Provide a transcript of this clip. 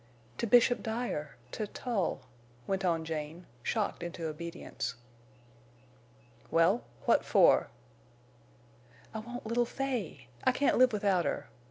"To Bishop Dyer—to Tull," went on Jane, shocked into obedience. "Well—what for?" "I want little Fay. I can't live without her.